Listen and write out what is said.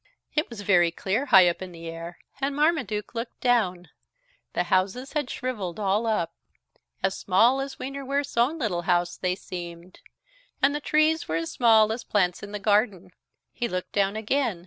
It was very clear high up in the air, and Marmaduke looked down. The houses had shrivelled all up. As small as Wienerwurst's own little house they seemed. And the trees were as small as plants in the garden. He looked down again.